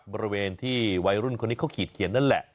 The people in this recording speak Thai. บริเวณที่วัยรุ่นคนนี้เขาขีดเขียนนั่นแหละ